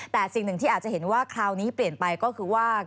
แต่สิ่งหนึ่งที่อาจจะเห็นว่าคราวนี้เปลี่ยนไปก็คือว่า